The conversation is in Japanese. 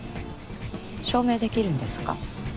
証明できるんですか？